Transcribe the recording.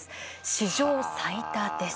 史上最多です。